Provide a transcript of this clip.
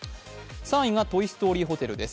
３位がトイ・ストーリーホテルです